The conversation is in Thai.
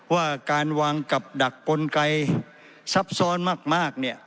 ว่าการวางกับดักปนไกรซับซ้อนมาก